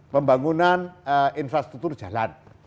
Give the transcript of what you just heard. pembangunan infrastruktur jalan